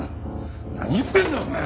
何言ってんだお前！